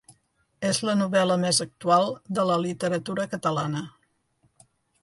És la novel·la més actual de la literatura catalana.